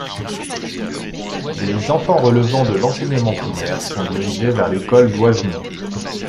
Les enfants relevant de l'enseignement primaire sont dirigés vers l'école d'Oisemont.